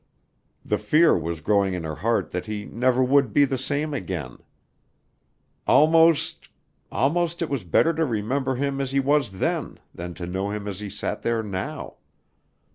The fear was growing in her heart that he never would be the same again. Almost almost it was better to remember him as he was then than to know him as he sat there now.